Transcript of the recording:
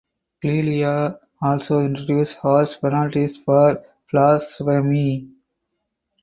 Clelia also introduced harsh penalties for blasphemy.